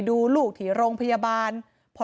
เหตุการณ์เกิดขึ้นแถวคลองแปดลำลูกกา